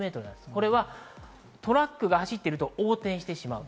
これはトラックが走ってると横転してしまう。